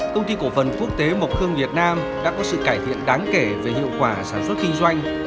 công ty cổ phần quốc tế mộc khương việt nam đã có sự cải thiện đáng kể về hiệu quả sản xuất kinh doanh